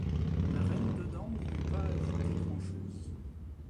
La reine dedans n’y eût pas ajouté grand’chose.